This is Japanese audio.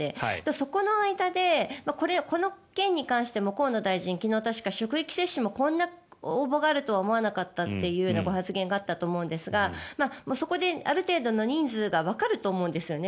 その間で、この件に関しても河野大臣は昨日、確か職域接種もこんな応募があるとは思わなかったという発言があったと思うんですがそこである程度の人数がわかると思うんですよね。